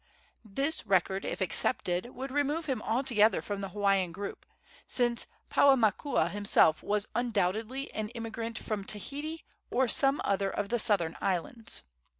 This record, if accepted, would remove him altogether from the Hawaiian group, since Paumakua himself was undoubtedly an immigrant from Tahiti or some other of the southern islands.